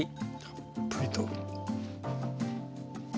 たっぷりと。